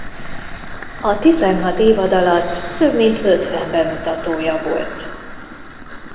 A tizenhat évad alatt több mint ötven bemutatója volt.